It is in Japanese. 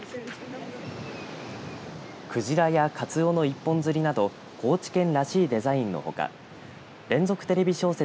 鯨やかつおの一本釣りなど高知県らしいデザインのほか連像テレビ小説